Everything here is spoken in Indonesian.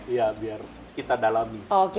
iya biar kita dalami